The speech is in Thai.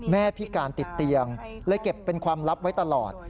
พิการติดเตียงเลยเก็บเป็นความลับไว้ตลอด